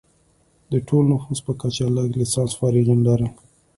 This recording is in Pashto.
د ټول نفوس په کچه لږ لسانس فارغین لرل.